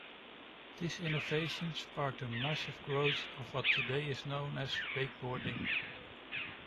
This innovation sparked the massive growth of what today is known as wakeboarding.